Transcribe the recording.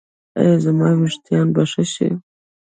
ایا زما ویښتان به ښه شي؟